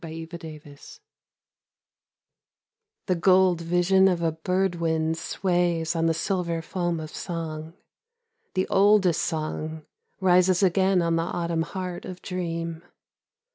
94 AUTUMN SONG The gold vision of a bird wind sways on the silver foam of song, The oldest song rises again on the Autumn heart of dream.